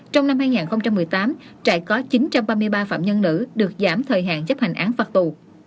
trong năm hai nghìn một mươi tám trại có chín trăm ba mươi ba phạm nhân nữ được giảm thời hạn chấp hành án phạt tù